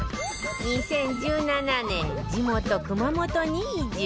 ２０１７年地元熊本に移住